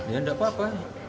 ya enggak apa apa